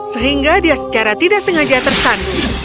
sehingga dia secara tidak sengaja tersan